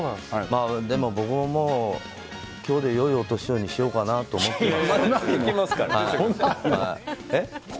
でも僕も今日で良いお年をにしようかと思ってます。